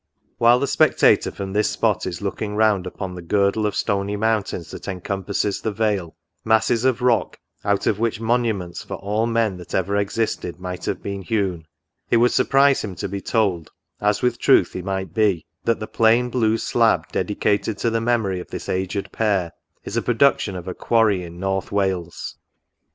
While the spectator from this spot is looking round upon the girdle of stony mountains that encompasses the vale, — masses of rock, out of which monuments for all men that ever existed might have been hewn, it would sur prise him to be told, as with truth he might be, that the plain blue slab dedicated to the memory of this aged pair, is a production of a quarry in North Wales.